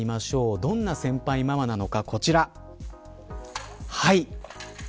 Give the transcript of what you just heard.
どんな先輩ママなのか。